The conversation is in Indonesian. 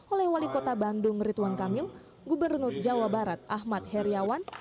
oleh wali kota bandung ridwan kamil gubernur jawa barat ahmad heriawan